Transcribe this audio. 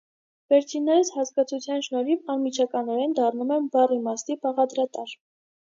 Վերջիններս հասկացության շնորհիվ անմիջականորեն դառնում են բառիմաստի բաղադրատարր։